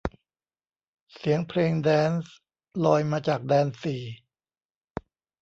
เสียงเพลงแดนซ์ลอยมาจากแดนสี่